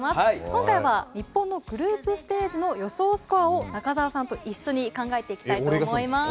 今回は日本のグループステージの予想スコアを中澤さんと一緒に考えていきたいと思います。